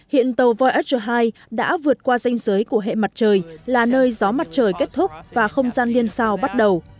hiện tàu voyager hai đã vượt qua danh giới của hệ mặt trời là nơi gió mặt trời kết thúc và không gian liên sau bắt đầu